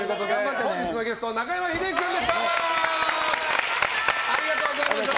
本日のゲスト中山秀征さんでした！